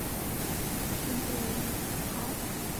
定都于亳。